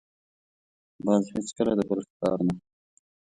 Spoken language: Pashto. باز هېڅکله د بل ښکار نه خوري